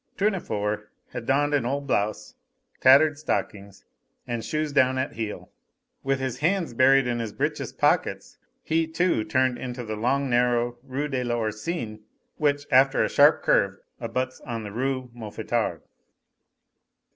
Tournefort had donned an old blouse, tattered stockings, and shoes down at heel. With his hands buried in his breeches' pockets, he, too, turned into the long narrow Rue de l'Oursine, which, after a sharp curve, abuts on the Rue Mouffetard.